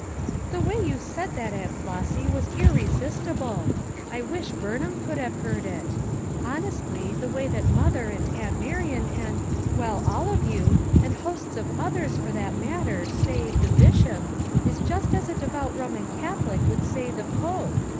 "The way you said that, Aunt Flossy, was irresistible ! I wish Burnham could have heard it Honestly the way that mother and Aunt Marian and — well, all of you, and liosts of others for that matter — say 'The Bishop' is just as a devout Roman Catholic would say 'The Pope.'